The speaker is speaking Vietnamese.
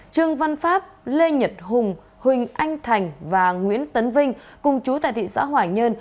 trương văn pháp lê nhật hùng huỳnh anh thành và nguyễn tấn vinh cùng chú tại thị xã hoài nhơn